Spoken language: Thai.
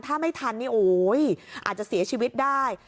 ถ้าไม่ทันอาจจะเสียชีวิตได้